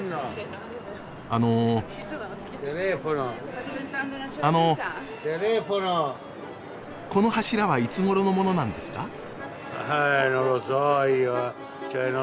あのあのこの柱はいつごろのものなんですか？